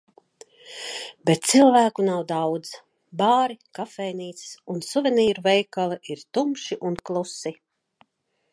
Bet cilvēku nav daudz. Bāri, kafejnīcas un suvenīru veikali ir tumši un klusi.